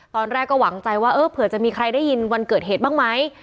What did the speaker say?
ตอนแรกก็หวังใจว่าเออเผื่อจะมีใครได้ยินวันเกิดเหตุบ้างไหม